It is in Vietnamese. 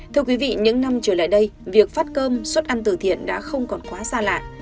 thưa quý vị những năm trở lại đây việc phát cơm xuất ăn từ thiện đã không còn quá xa lạ